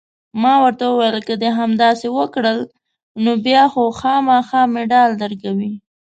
ما ورته وویل: که دې همداسې وکړل، نو بیا خو خامخا مډال درکوي.